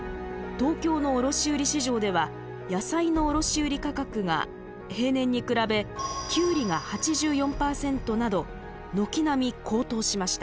東京の卸売市場では野菜の卸売価格が平年に比べキュウリが８４％など軒並み高騰しました。